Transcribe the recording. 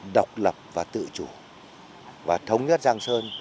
độc lập và tự chủ và thống nhất giang sơn